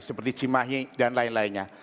seperti cimahi dan lain lainnya